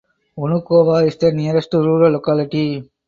Vnukovo is the nearest rural locality.